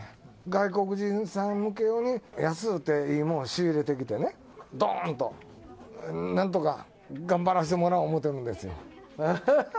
外国人さん向け用に、安うていいもん仕入れてきてね、どーんと、なんとか頑張らせてもらおう思ってるんです。